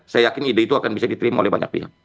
saya yakin ide itu akan bisa diterima oleh banyak pihak